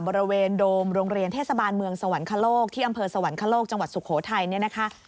โดมโรงเรียนเทศบาลเมืองสวรรคโลกที่อำเภอสวรรคโลกจังหวัดสุโขทัยเนี่ยนะคะ